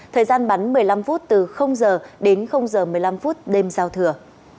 thời gian bắn một mươi năm phút từ giờ đến giờ một mươi năm phút đêm giao thừa